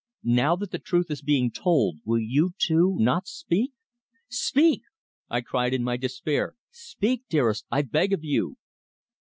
Now that the truth is being told, will you, too, not speak? Speak!" I cried in my despair, "speak, dearest, I beg of you!"